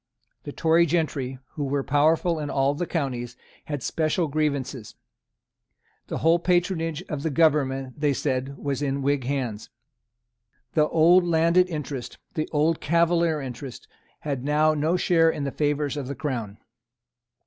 The Tory gentry, who were powerful in all the counties, had special grievances. The whole patronage of the government, they said, was in Whig hands. The old landed interest, the old Cavalier interest, had now no share in the favours of the Crown.